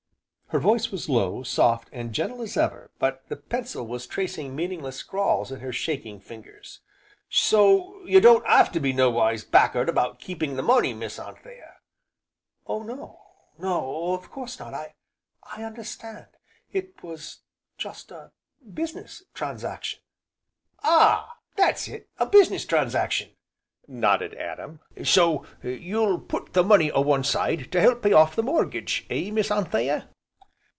Her voice was low, soft and gentle as ever, but the pencil was tracing meaningless scrawls in her shaking fingers. "So you don't 'ave to be no wise back ard about keepin' the money, Miss Anthea." "Oh no, no, of course not, I I understand, it was just a business transaction." "Ah! that's it, a business transaction!" nodded Adam, "So you'll put the money a one side to help pay off the mortgage, eh, Miss Anthea?"